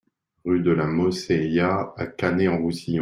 Rue de la Mossenya à Canet-en-Roussillon